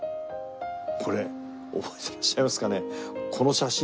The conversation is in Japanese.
これ覚えてらっしゃいますかね？